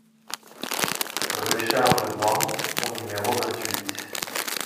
Rue Char de Ban au numéro vingt-huit